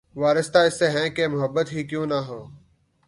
وارستہ اس سے ہیں کہ‘ محبت ہی کیوں نہ ہو